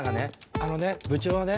あのね部長はね